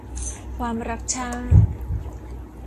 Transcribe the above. ความรักชาติ